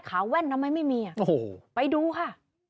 ขาแว่นทำไมไม่มีไปดูค่ะ